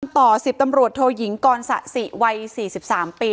น้อนต่อสิบตำรวจโทยงกรณ์ศะสี่วัย๔๓ปี